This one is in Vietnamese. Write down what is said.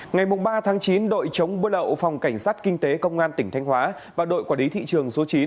ngày ba chín đội chống buôn lậu phòng cảnh sát kinh tế công an tỉnh thanh hóa và đội quản lý thị trường số chín